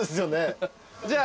じゃあ。